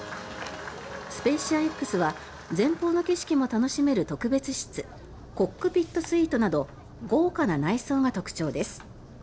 スペーシアＸは前方の景色も楽しめる特別室コックピットスイートなど豪華な内装が特徴です。